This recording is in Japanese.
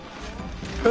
え？